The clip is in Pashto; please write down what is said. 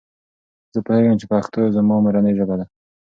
زه پوهیږم چې پښتو زما مورنۍ ژبه ده.